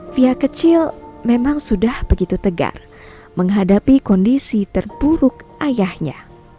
fia kecil memang sudah begitu tegar menghadapi kondisi terburuk ayahnya